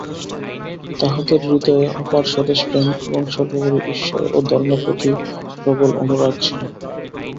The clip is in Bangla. তাঁহাদের হৃদয়ে অপার স্বদেশপ্রেম এবং সর্বোপরি ঈশ্বর ও ধর্মের প্রতি প্রবল অনুরাগ ছিল।